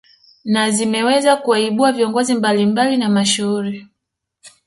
Na zimeweza kuwaibua viongozi mablimbali na mashuhuri